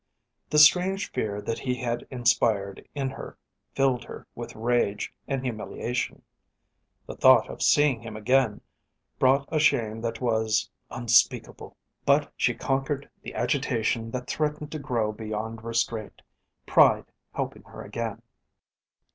The strange fear that he had inspired in her filled her with rage and humiliation. The thought of seeing him again brought a shame that was unspeakable. But she conquered the agitation that threatened to grow beyond restraint, pride helping her again.